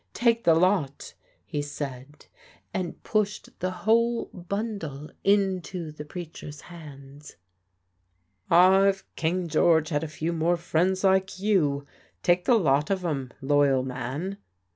"Take the lot," he said, and pushed the whole bundle into the preacher's hands. "Aw, if King George had a few more friends like you! Take the lot of 'em, loyal man!"